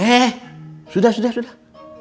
eh sudah sudah